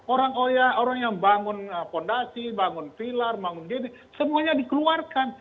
orang orang yang membangun fondasi membangun vilar membangun dinding semuanya dikeluarkan